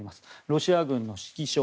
ロシア軍の指揮所